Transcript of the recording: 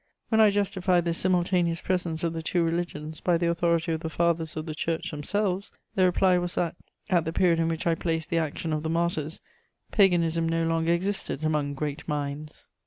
When I justified the simultaneous presence of the two religions by the authority of the Fathers of the Church themselves, the reply was that, at the period in which I placed the action of the Martyrs, paganism no longer existed among great minds.